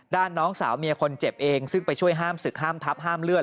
น้องสาวเมียคนเจ็บเองซึ่งไปช่วยห้ามศึกห้ามทับห้ามเลือด